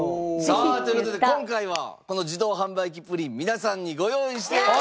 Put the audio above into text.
さあという事で今回はこの自動販売機プリン皆さんにご用意しております。